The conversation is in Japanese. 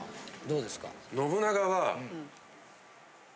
どうですか。